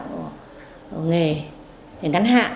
nghề ngắn hạ